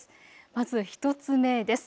まず１つ目です。